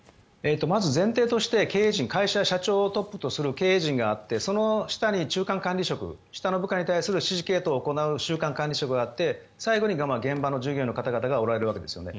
まず前提として経営陣会社、社長をトップとする経営陣があってその下に中間管理職下の部下に対する指示系統を行う中間管理職があって最後に現場の従業員の方々がおられるわけですよね。